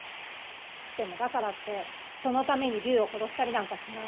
でもだからってそのためにリュウを殺したりなんかしない。